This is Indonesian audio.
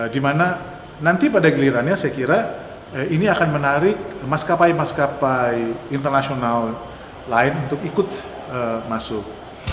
dimana nanti pada gilirannya saya kira ini akan menarik maskapai maskapai internasional lain untuk ikut masuk